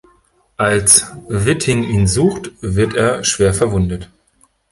Als Witting ihn sucht, wird er schwer verwundet.